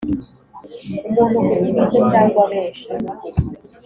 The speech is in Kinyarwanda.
Umuntu ku giti cye cyangwa benshi